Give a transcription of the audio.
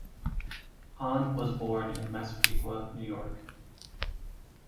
Hahn was born in Massapequa, New York.